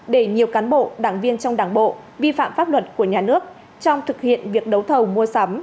để nhiều cán bộ đảng viên trong đảng bộ vi phạm pháp luật của nhà nước trong thực hiện việc đấu thầu mua sắm